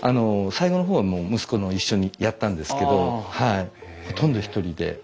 最後の方は息子も一緒にやったんですけどほとんど一人で。